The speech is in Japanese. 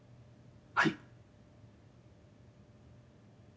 はい。